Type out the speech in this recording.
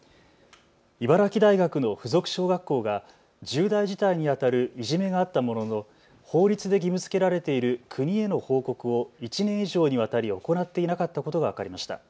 茨城大学の附属小学校が重大事態にあたるいじめがあったものの法律で義務づけられている国への報告を１年以上にわたり行っていなかったことが分かりました。